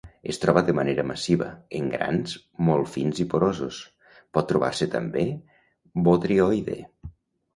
Es troba de manera massiva, en grans molt fins i porosos; pot trobar-se també botrioide.